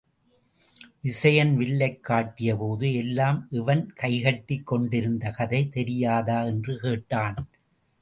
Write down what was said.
விசயன் வில்லைக் காட்டியபோது எல்லாம் இவன் கைகட்டிக் கொண்டிருந்த கதை தெரியாதா? என்று கேட்டான்.